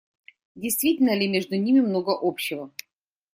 Действительно ли между ними много общего?